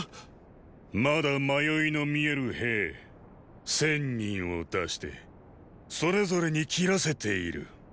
まだ迷いの見える兵千人を出してそれぞれに斬らせている。